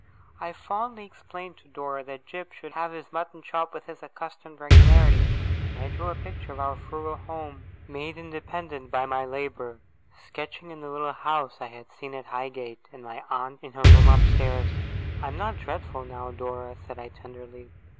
I fondly explained to Dora that Jip should have his mutton chop with his accustomed regularity. I drew a picture of our frugal home, made independent by my labour sketching in the little house I had seen at Highgate, and my aunt in her room upstairs. 'I am not dreadful now, Dora?' said I, tenderly.